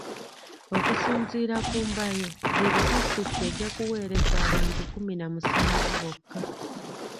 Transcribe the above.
Okusinziira ku Mbayo buli disitulikiti ejja kuweereza abantu kumi na musanvu bokka .